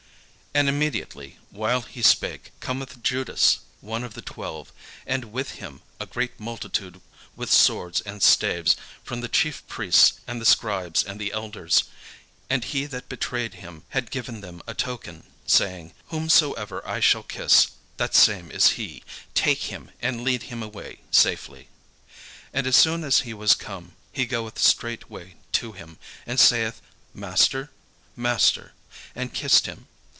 And immediately, while he yet spake, cometh Judas, one of the twelve, and with him a great multitude with swords and staves, from the chief priests and the scribes and the elders. And he that betrayed him had given them a token, saying, "Whomsoever I shall kiss, that same is he; take him, and lead him away safely." And as soon as he was come, he goeth straightway to him, and saith, "Master, master;" and kissed him.